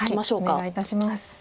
お願いいたします。